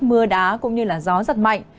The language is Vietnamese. mưa đá cũng như là gió giật mạnh